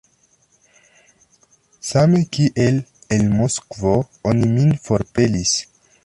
Same kiel el Moskvo oni min forpelis!